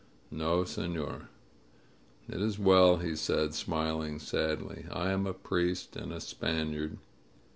"No, senor." "It is well," he said, smiling sadly. "I am a priest and a Spaniard.